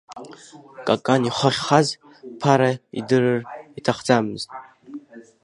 Какан ихы ахьхаз Ԥара идырыр иҭахӡамызт.